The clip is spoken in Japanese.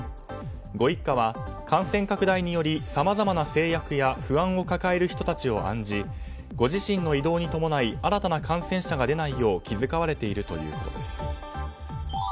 ご一家は感染拡大によりさまざまな制約や不安を抱える人たちを案じご自身の移動に伴い新たな感染者が出ないよう気遣われているということです。